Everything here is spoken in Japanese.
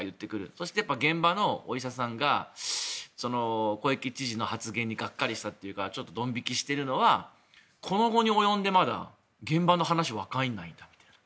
そして、現場のお医者さんが小池知事の発言にがっかりしたというかちょっとドン引きしているのはこの期に及んで、まだ現場の話わからないんだみたいな。